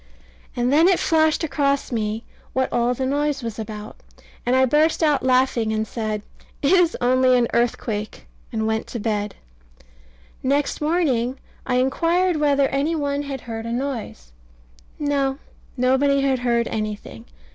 And then it flashed across me what all the noise was about; and I burst out laughing and said "It is only an earthquake," and went to bed Next morning I inquired whether any one had heard a noise. No, nobody had heard anything.